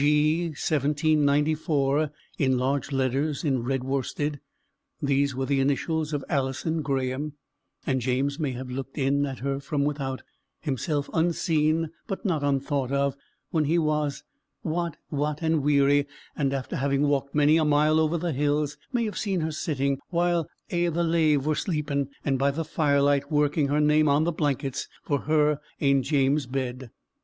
G., 1794," in large letters in red worsted. These were the initials of Alison Græme, and James may have looked in at her from without himself unseen but not unthought of when he was "wat, wat, and weary," and after having walked many a mile over the hills, may have seen her sitting, while "a' the lave were sleepin';" and by the firelight working her name on the blankets for her ain James's bed.